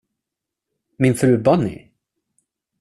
Min fru Bunny?